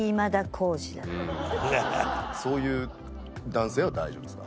そういう男性は大丈夫ですか？